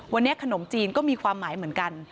วันนี้ขนมจีนก็มีความหมายเหมือนกัน